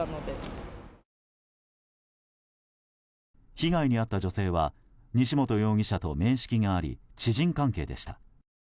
被害に遭った女性は西本容疑者と面識があり知人関係でした。